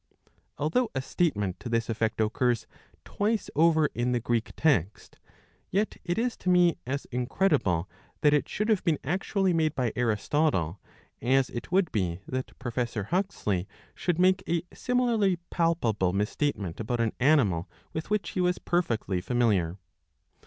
Although a statement to this effect occurs twice over in the Greek text, yet it is to me as incredible that it should have been actually made by Aristotle, as it would be that Professor Huxley should make a similarly palpable mis statement about an animal with which he was perfectly familiar.